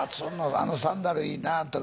「あのサンダルいいな」